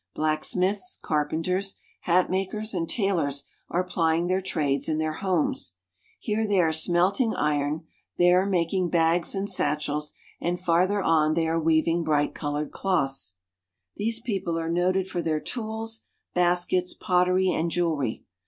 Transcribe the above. Blacksmiths, carpenters, hat ^^H makers, and tailors are plying their trades in their homes. ^^H Here they are smelting iron, there making bags and ^^H satchels, and farther on they are weaving bright colored ^^H cloths. These people :li>.' in>',cJ :.■■ Is, haskuis, pottery, and jewelry.